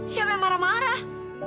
siapa yang marah marah